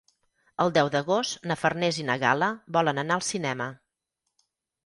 El deu d'agost na Farners i na Gal·la volen anar al cinema.